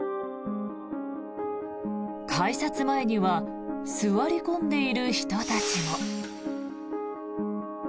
改札前には座り込んでいる人たちも。